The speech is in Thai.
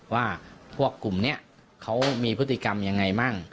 ว่าพวกกลุ่มนี้เขามีพฤติกรรมยังไงมั่ง